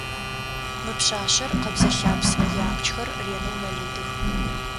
Мы пшъашъэр къэбзэ-лъабз, иапчхэр ренэу мэлыдых.